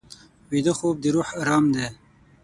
ویده خوب د روح ارام دی